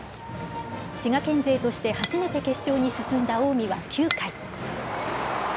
滋賀県勢として初めて決勝に進んだ近江は９回。